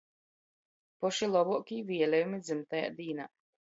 Poši lobuokī vieliejumi dzymtajā dīnā!